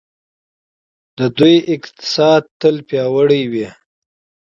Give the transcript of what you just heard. د دوی اقتصاد دې تل پیاوړی وي.